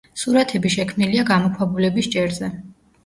სურათები შექმნილია გამოქვაბულების ჭერზე.